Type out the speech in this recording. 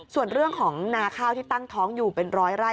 ส่วนเรื่องของนาข้าวที่ตั้งท้องอยู่เป็นร้อยไร่